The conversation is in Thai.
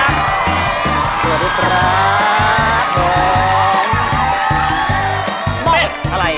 สวัสดีค่ะ